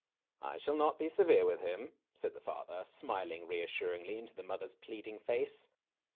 "I shall not be severe with him," said the father, smiling reassuringly into the mother's pleading face.